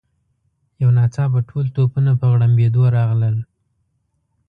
یو ناڅاپه ټول توپونه په غړمبېدو راغلل.